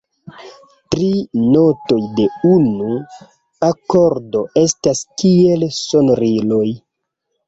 Tri notoj de unu akordo estas kiel sonoriloj.